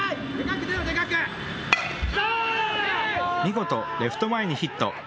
見事、レフト前にヒット。